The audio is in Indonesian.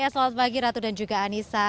selamat pagi ratu dan juga anissa